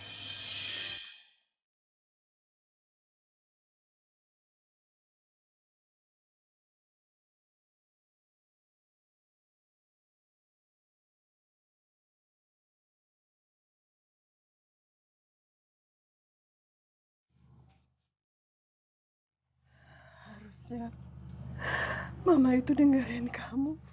harusnya mama itu dengerin kamu fit